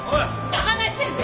高梨先生